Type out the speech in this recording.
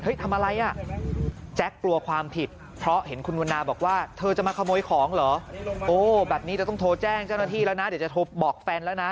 หลายนาทีแล้วนะเดี๋ยวจะโทรบบอกแฟนแล้วนะ